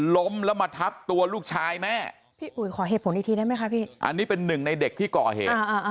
ล้มแล้วมาทับตัวลูกชายแม่พี่อุ๋ยขอเหตุผลอีกทีได้ไหมคะพี่อันนี้เป็นหนึ่งในเด็กที่ก่อเหตุ